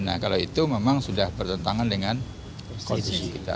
nah kalau itu memang sudah bertentangan dengan konstitusi kita